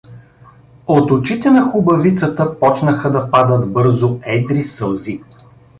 От очите на хубавицата почнаха да падат бързо едри сълзи.